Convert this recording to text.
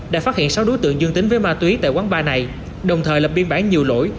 đã phát hiện sáu đối tượng dương tính với ma túy tại quán ba này đồng thời lập biên bản nhiều lỗi